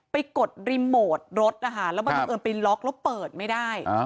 กดรีโมทรถนะคะแล้วบังเอิญไปล็อกแล้วเปิดไม่ได้